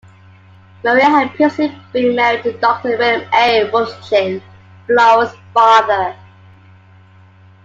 Maria had previously been married to Doctor William A. Wovschin, Flora's father.